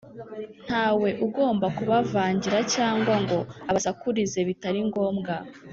Nta we ugomba kubavangira cyangwa ngo abasakurize bitari ngombwa